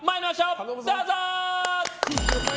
どうぞ。